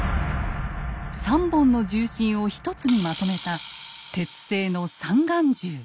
３本の銃身を一つにまとめた鉄製の三眼銃。